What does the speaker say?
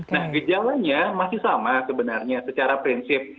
nah gejalanya masih sama sebenarnya secara prinsip